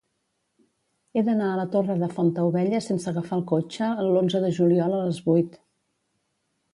He d'anar a la Torre de Fontaubella sense agafar el cotxe l'onze de juliol a les vuit.